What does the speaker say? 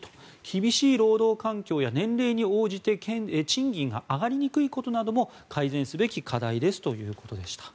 厳しい労働環境や年齢に応じて賃金が上がりにくいことなども改善すべき課題ですということでした。